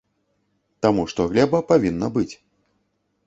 Таму што глеба павінна быць.